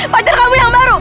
pacar kamu yang baru